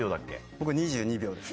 僕２２秒です。